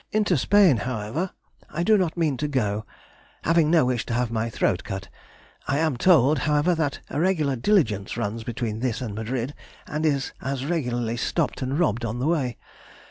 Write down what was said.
Into Spain, however, I do not mean to go,—having no wish to have my throat cut. I am told, however, that a regular diligence runs between this and Madrid, and is as regularly stopped and robbed on the way.